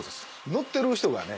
乗ってる人がね